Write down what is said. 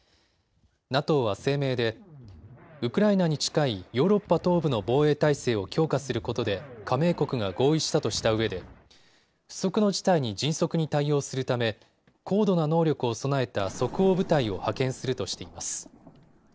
ＮＡＴＯは声明でウクライナに近いヨーロッパ東部の防衛態勢を強化することで、加盟国が合意したとしたうえで、不測の事態に迅速に対応するため高度な能力を備えた即応部隊を派遣するとしています。